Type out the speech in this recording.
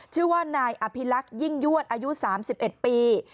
ชื่อว่านายอภิลักษ์ยิ่งยวดอายุ๓๑ปี